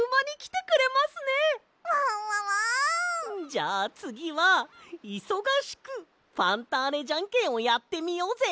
じゃあつぎはいそがしくファンターネジャンケンをやってみようぜ！